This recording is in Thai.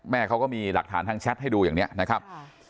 เขาก็มีหลักฐานทางแชทให้ดูอย่างนี้นะครับ